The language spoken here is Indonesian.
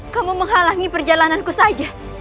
kamu menghalangi perjalananku saja